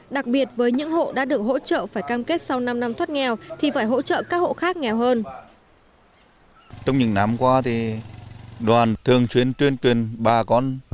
đặc biệt với những hộ đã được hỗ trợ phải cam kết sau năm năm thoát nghèo